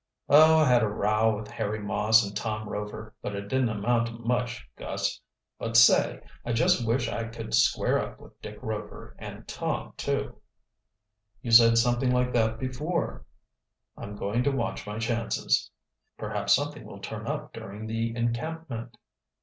"Oh, I had a row with Harry Moss and Tom Rover, but it didn't amount to much, Gus. But, say, I just wish I could square up with Dick Rover, and Tom, too!" "You said something like that before." "I'm going to watch my chances." "Perhaps something will turn up during the encampment."